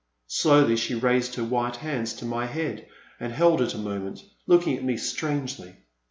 Slowly she raised her white hands to my head and held it a moment, looking at me strangely.